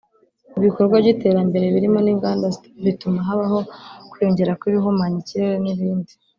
ibikorwa by’iterambere birimo n’inganda bituma habaho ukwiyongera kw’ibihumanya ikirere n’ibindi